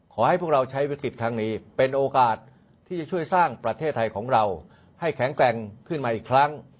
ขอให้พวกเราใช้วิกฤตครั้งนี้เป็นโอกาสที่จะช่วยสร้างประเทศไทยของเราให้แข็งแกร่งขึ้นมาอีกครั้ง